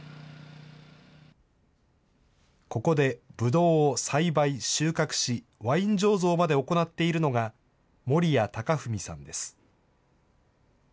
ここでブドウを栽培、収穫し、ワイン醸造まで行っているのが、森谷尊文さんです。